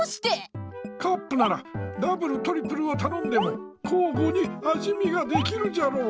カップならダブルトリプルをたのんでもこうごにあじ見ができるじゃろう。